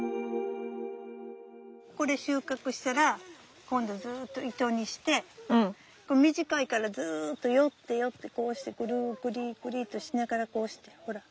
これ収穫したら今度ずっと糸にして短いからずっとよってよってこうしてグルグリグリとしながらこうしてほら。